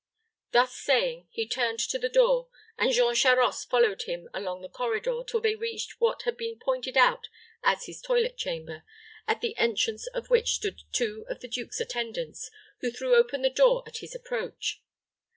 Thus saying, he turned to the door, and Jean Charost followed him along the corridor till they reached what had been pointed out as his toilet chamber, at the entrance of which stood two of the duke's attendants, who threw open the door at his approach.